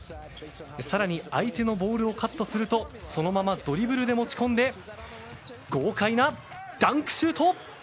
さらに相手のボールをカットするとそのままドリブルで持ち込んで豪快なダンクシュート。